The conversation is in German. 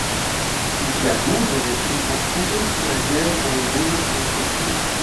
Die Diagnose wird mikroskopisch oder serologisch durchgeführt.